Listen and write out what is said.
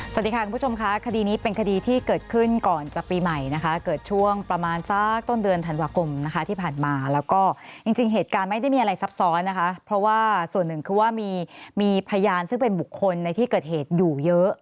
สวัสดีค่ะคุณผู้ชมค่ะคดีนี้เป็นคดีที่เกิดขึ้นก่อนจะปีใหม่นะคะเกิดช่วงประมาณสักต้นเดือนธันวาคมนะคะที่ผ่านมาแล้วก็จริงเหตุการณ์ไม่ได้มีอะไรซับซ้อนนะคะเพราะว่าส่วนหนึ่งคือว่ามีมีพยานซึ่งเป็นบุคคลในที่เกิดเหตุอยู่เยอะ